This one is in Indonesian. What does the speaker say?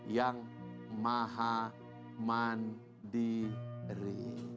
yang maha mandiri